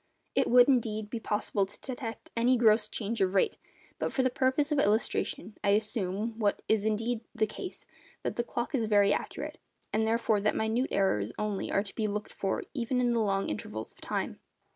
It would, indeed, be possible to detect any gross change of rate; but for the purpose of illustration I assume, what is indeed the case, that the clock is very accurate, and therefore that minute errors only are to be looked for even in long intervals of time.